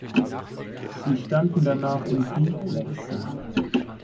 Sie standen danach in Briefwechsel.